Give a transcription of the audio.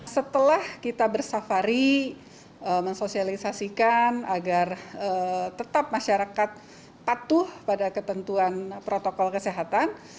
setelah kita bersafari mensosialisasikan agar tetap masyarakat patuh pada ketentuan protokol kesehatan